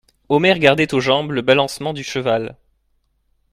Omer gardait aux jambes le balancement du cheval.